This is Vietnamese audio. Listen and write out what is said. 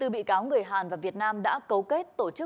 hai mươi bốn bị cáo người hàn và việt nam đã cấu kết